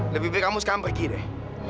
lebih baik kamu sekarang pergi deh